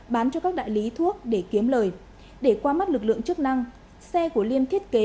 bán cho các đại lý thuốc để kiếm lời để qua mắt lực lượng chức năng xe của liêm thiết kế